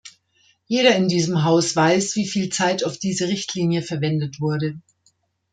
Jeder in diesem Haus weiß, wie viel Zeit auf diese Richtlinie verwendet wurde.